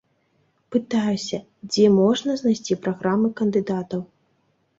Пытаюся, дзе можна знайсці праграмы кандыдатаў.